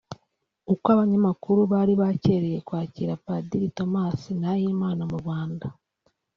uko abanyamakuru bari bacyereye kwakira Padiri Thomas Nahimana mu Rwanda